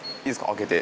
開けて。